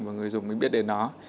và người dùng mới biết đến nó